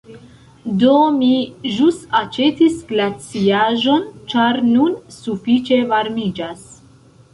Do, mi ĵus aĉetis glaciaĵon ĉar nun sufiĉe varmiĝas